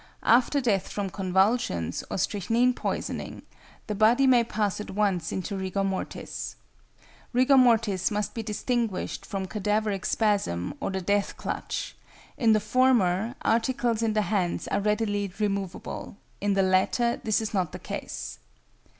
After death from convulsions or strychnine poisoning, the body may pass at once into rigor mortis. Rigor mortis must be distinguished from cadaveric spasm or the death clutch; in the former, articles in the hands are readily removable, in the latter this is not the case.